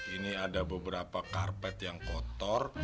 ini ada beberapa karpet yang kotor